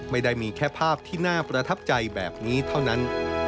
ไม่ได้มีแค่ภาพที่น่าประทับใจแบบนี้เท่านั้น